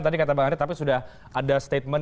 tadi kata bang andre tapi sudah ada statement